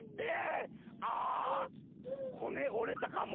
・あほねおれたかも。